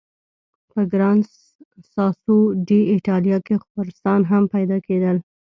په ګران ساسو ډي ایټالیا کې خرسان هم پیدا کېدل.